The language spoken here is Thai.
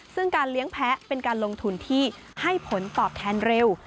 ซึ่งการเลี้ยงแพ้เป็นการลงทุนที่ให้ผลตอบแทนเร็ว